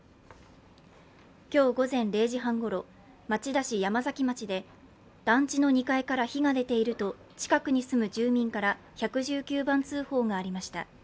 今日午前０時半ごろ町田市山崎町で団地の２階から火が出ていると近くに住む住民から１１９番通報がありました。